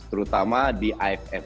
terutama di iff